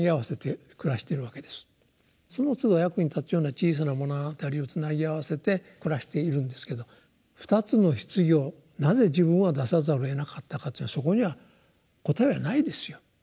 そのつど役に立つような「小さな物語」をつなぎ合わせて暮らしているんですけど「２つの棺をなぜ自分は出さざるをえなかったか」っていうのはそこには答えはないですよ。